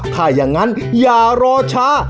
ถ้ายังงั้นอย่ารอช้า